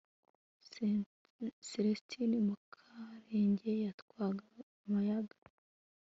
selestini mukarage yatwaraga amayaga